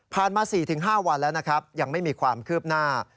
มา๔๕วันแล้วนะครับยังไม่มีความคืบหน้า